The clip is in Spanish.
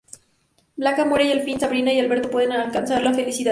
Blanca muere y al fin, Sabrina y Alberto pueden alcanzar la felicidad.